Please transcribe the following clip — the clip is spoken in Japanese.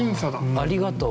ありがとう。